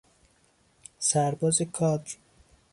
سرباز کادر